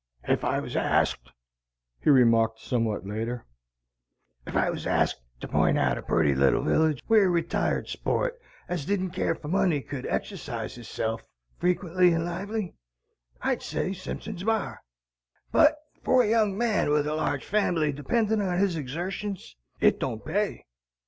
"Ef I was asked," he remarked somewhat later, "ef I was asked to pint out a purty little village where a retired sport as didn't care for money could exercise hisself, frequent and lively, I'd say Simpson's Bar; but for a young man with a large family depending on his exertions, it don't pay."